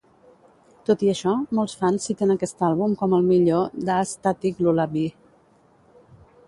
Tot i això, molts fans citen aquest àlbum com el millor d'A Static Lullaby.